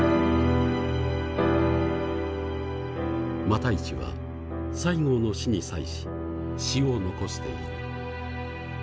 復一は西郷の死に際し詩を残している。